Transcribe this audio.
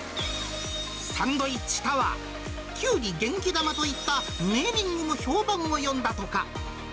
サンドイッチタワー、きゅうり元気玉といったネーミングも評判を呼んだとか。